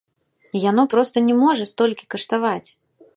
Яно проста не можа столькі каштаваць.